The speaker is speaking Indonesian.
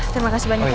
terima kasih banyak ya